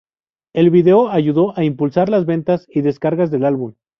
El video ayudó a impulsar las ventas y descargas del álbum.